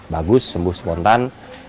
bagus sembuh spontan